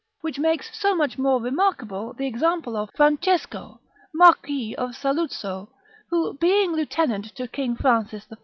Which makes so much more remarkable the example of Francesco, Marquis of Saluzzo, who being lieutenant to King Francis I.